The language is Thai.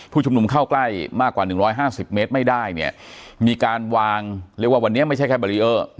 ผู้ชุมนุมเข้าใกล้มากกว่า๑๕๐เมตรไม่ได้เนี่ยมีการวางเรียกว่าวันนี้ไม่ใช่แค่บารีเออร์